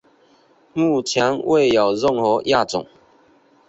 目前未有任何亚种。